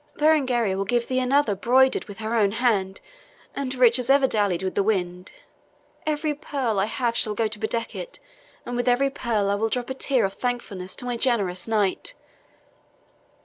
Berengaria will give thee another broidered with her own hand, and rich as ever dallied with the wind. Every pearl I have shall go to bedeck it, and with every pearl I will drop a tear of thankfulness to my generous knight."